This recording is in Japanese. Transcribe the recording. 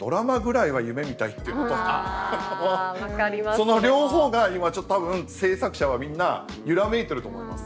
その両方が今多分制作者はみんな揺らめいてると思います。